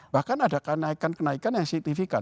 bahkan ada kenaikan kenaikan yang signifikan